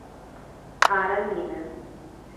Aramina